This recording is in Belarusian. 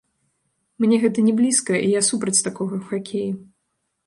Мне гэта не блізка, і я супраць такога ў хакеі.